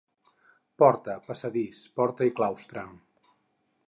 Porta, passadís, porta i claustre.